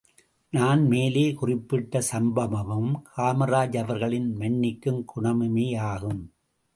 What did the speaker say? நான் மேலே குறிப்பிட்ட சம்பவமும் காமராஜ் அவர்களின் மன்னிக்கும் குணமுமேயாகும்.